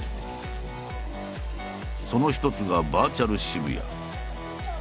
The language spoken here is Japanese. その一つがバーチャル渋谷。